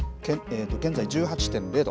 現在１８．０度。